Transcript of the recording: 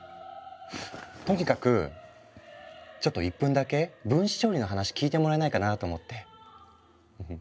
とにかくちょっと１分だけ分子調理の話聞いてもらえないかなと思って。